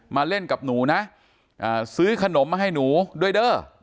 มาเล่นกับหนูนะซื้อขนมมาให้หนูด้วยเด้อ